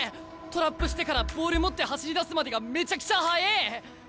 トラップしてからボール持って走りだすまでがめちゃくちゃはええ！